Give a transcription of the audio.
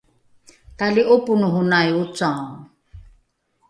tali’oponohonai ocao